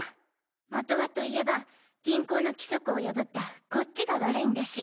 もとはと言えば銀行の規則を破ったこっちが悪いんだし。